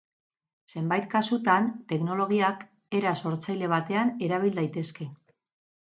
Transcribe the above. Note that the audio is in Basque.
Zenbait kasutan teknologiak era sortzaile batean erabil daitezke.